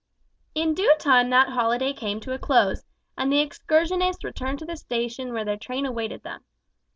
In due time that holiday came to a close, and the excursionists returned to the station where their train awaited them.